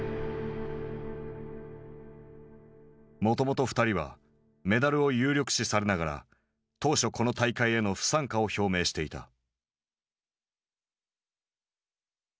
もともと２人はメダルを有力視されながら当初この大会への不参加を表明していた。